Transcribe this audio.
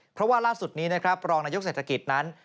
เพราะว่าล่าสุดนี้นะครับรองนายกเศรษฐกิจนั้น